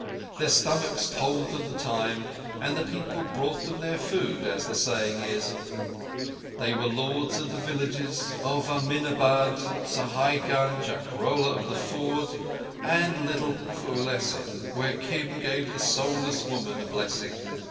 Their stomachs told them the time, and the people brought them their food, as the saying is. They were lords of the villages of Aminabad, Sahaigunge, Akrola of the Ford, and little Phulesa, where Kim gave the soulless woman a blessing.